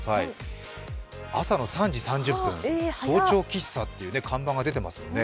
朝の３時３０分、早朝喫茶という看板が出ていますね。